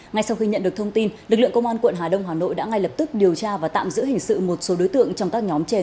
ngay sau khi nhận được thông tin lực lượng công an quận hà đông hà nội đã ngay lập tức điều tra và tạm giữ hình sự một số đối tượng trong các nhóm trên